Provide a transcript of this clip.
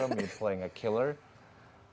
saya mainin seorang pembunuh